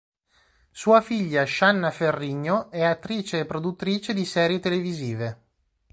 Sua figlia Shanna Ferrigno è attrice e produttrice di serie televisive.